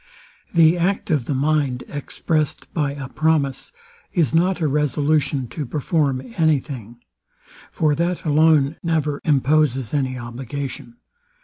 The act of the mind, exprest by a promise, is not a resolution to perform any thing: For that alone never imposes any obligation.